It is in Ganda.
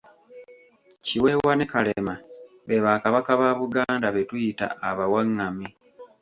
Kiweewa ne Kalema be ba Kabaka ba Buganda be tuyita abawangami.